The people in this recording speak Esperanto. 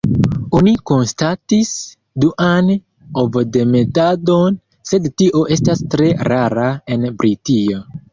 Oni konstatis duan ovodemetadon, sed tio estas tre rara en Britio.